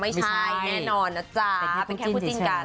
ไม่ใช่แน่นอนนะจ๊ะเป็นแค่คู่จิ้นกัน